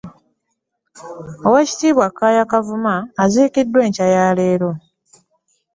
Oweekitiibwa Kkaaya Kavuma aziikiddwa enkya ya leero